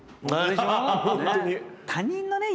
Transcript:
他人のね